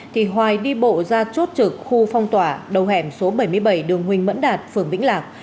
thì hoài đi bộ ra chốt trực khu phong tỏa đầu hẻm số bảy mươi bảy đường huỳnh mẫn đạt phường vĩnh lạc